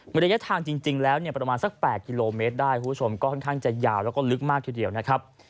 ระยะทางจริงแล้วเนี่ยประมาณสัก๘กิโลเมตรได้คุณผู้ชมก็ค่อนข้างจะยาวแล้วก็ลึกมากทีเดียวนะครับ